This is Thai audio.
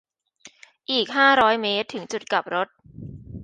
อีก ห้าร้อยเมตร ถึงจุดกลับรถ